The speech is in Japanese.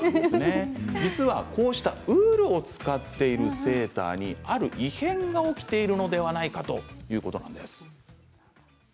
実はウールを使っているセーターに、ある異変が起きているのではないかということなんです。